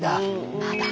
まだ。